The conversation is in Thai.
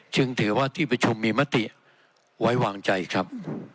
จึงถือว่าที่ประชุมมีมติไว้วางใจครับ